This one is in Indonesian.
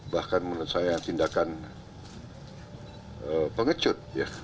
bahkan menurut saya tindakan pengecut